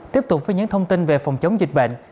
tiếp tục với những thông tin về phòng chống dịch bệnh